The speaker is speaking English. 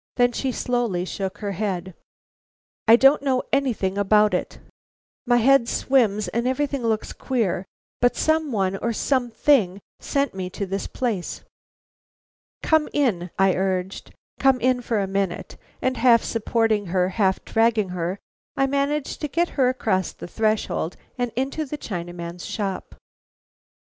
Then she slowly shook her head. "I don't know anything about it. My head swims and everything looks queer, but some one or something sent me to this place." "Come in," I urged, "come in for a minute." And half supporting her, half dragging her, I managed to get her across the threshold and into the Chinaman's shop.